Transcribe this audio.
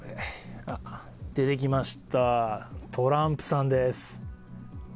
出てきました、トランプさんです。